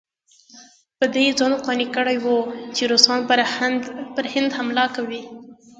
په دې یې ځان قانع کړی وو چې روسان پر هند حمله کوي.